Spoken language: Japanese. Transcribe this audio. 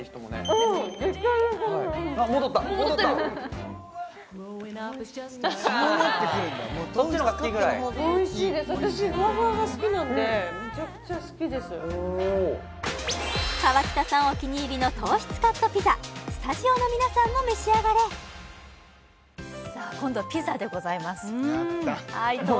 お気に入りの糖質カットピザスタジオの皆さんも召し上がれさあ今度はピザでございますやった